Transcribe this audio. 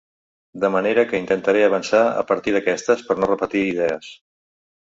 De manera que intentaré avançar a partir d’aquestes per no repetir idees.